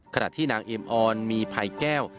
ขณะที่นางเอมออนมีภัยแก้ว